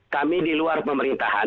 kami di luar pemerintahan